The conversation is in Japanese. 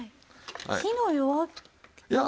火の弱あ。